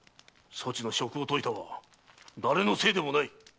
そちの職を解いたは誰のせいでもない。